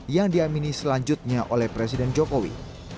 yang diamini selanjutnya oleh presiden jokowi